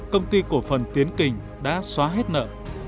công ty cổ phần tiến kình đã xóa hết nợ